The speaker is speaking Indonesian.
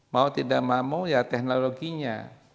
mau tidak mau ya teknologinya